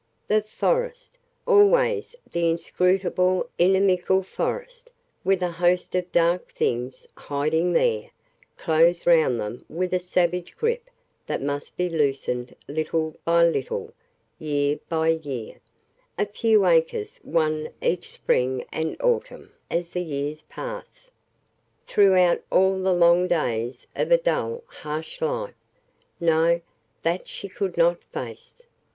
The forest ... Always the inscrutable, inimical forest, with a host of dark things hiding there closed round them with a savage grip that must be loosened little by little, year by year; a few acres won each spring and autumn as the years pass, throughout all the long days of a dull harsh life ... No, that she could not face